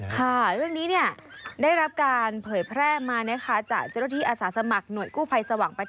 ตัวเล็กเอ้ย